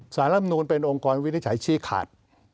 รำนูลเป็นองค์กรวินิจฉัยชี้ขาด